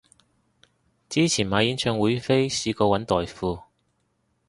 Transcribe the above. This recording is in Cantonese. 之前買演唱會飛試過搵代付